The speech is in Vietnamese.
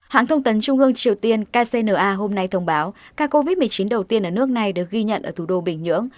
hãng thông tấn trung ương triều tiên kcna hôm nay thông báo ca covid một mươi chín đầu tiên ở nước này được ghi nhận ở thủ đô bình nhưỡng